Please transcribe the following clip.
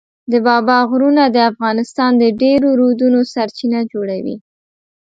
د بابا غرونه د افغانستان د ډېرو رودونو سرچینه جوړوي.